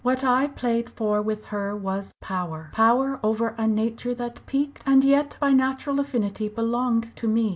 What I played for with her was power power over a nature that piqued and yet by natural affinity belonged to me.